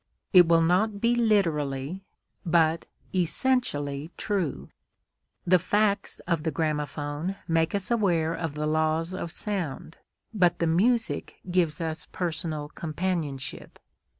It will not be literally, but essentially true. The facts of the gramophone make us aware of the laws of sound, but the music gives us personal companionship.